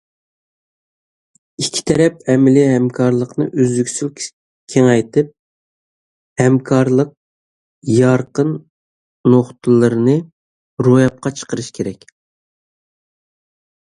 ئىككى تەرەپ ئەمەلىي ھەمكارلىقنى ئۈزلۈكسىز كېڭەيتىپ، ھەمكارلىق يارقىن نۇقتىلىرىنى روياپقا چىقىرىشى كېرەك.